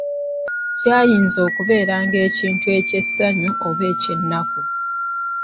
Kyayinzanga okubeera ekintu eky'essanyu oba eky'ennaku.